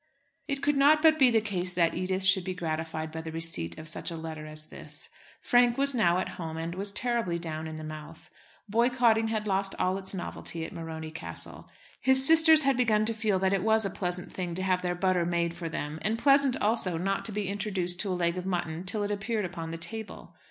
It could not but be the case that Edith should be gratified by the receipt of such a letter as this. Frank was now at home, and was terribly down in the mouth. Boycotting had lost all its novelty at Morony Castle. His sisters had begun to feel that it was a pleasant thing to have their butter made for them, and pleasant also not to be introduced to a leg of mutton till it appeared upon the table.